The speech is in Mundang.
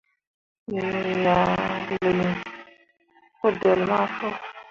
Me ah lii kudelle ma fu.